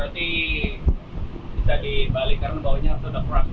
berarti bisa dibalik karena baunya sudah keras